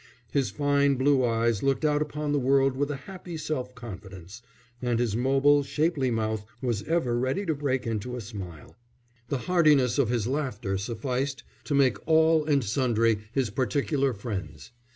His fine blue eyes looked out upon the world with a happy self confidence, and his mobile, shapely mouth was ever ready to break into a smile. The heartiness of his laughter sufficed to make all and sundry his particular friends.